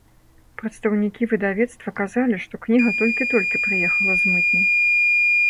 Прадстаўнікі выдавецтва казалі, што кніга толькі-толькі прыехала з мытні.